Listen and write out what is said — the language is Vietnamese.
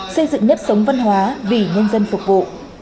xây dựng nếp sống văn hóa vì nhân dân phục vụ